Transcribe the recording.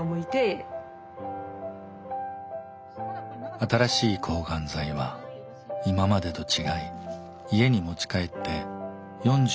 新しい抗がん剤は今までと違い家に持ち帰って４６時間投与します。